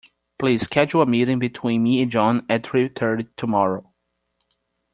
Please schedule a meeting between me and John at three thirty tomorrow.